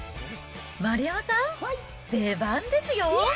丸山さん、出番ですよ。